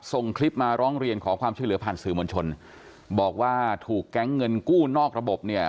ส่งคลิปมาร้องเรียนขอความช่วยเหลือผ่านสื่อมวลชนบอกว่าถูกแก๊งเงินกู้นอกระบบเนี่ย